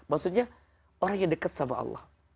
maksudnya orang yang dekat sama allah